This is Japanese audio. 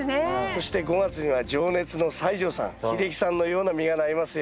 そして５月には情熱の西城さん秀樹さんのような実がなりますよ。